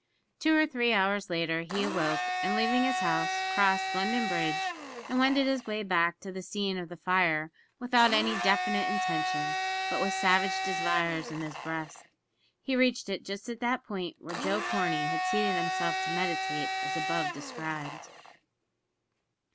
Two or three hours later he awoke, and leaving his house, crossed London Bridge, and wended his way back to the scene of the fire without any definite intention, but with savage desires in his breast. He reached it just at that point where Joe Corney had seated himself to meditate, as above described.